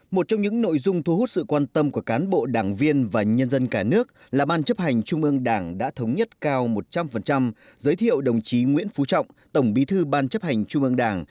một trong những nội dung thu hút sự quan tâm của cán bộ đảng viên và nhân dân cả nước là ban chấp hành trung ương đảng đã thống nhất cao một trăm linh giới thiệu đồng chí nguyễn phú trọng tổng bí thư ban chấp hành trung ương đảng